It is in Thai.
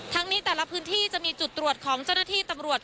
นี้แต่ละพื้นที่จะมีจุดตรวจของเจ้าหน้าที่ตำรวจ